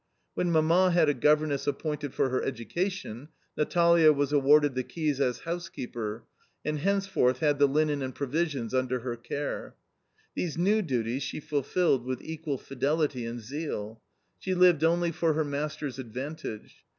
When Mamma had a governess appointed for her education, Natalia was awarded the keys as housekeeper, and henceforth had the linen and provisions under her care. These new duties she fulfilled with equal fidelity and zeal. She lived only for her master's advantage.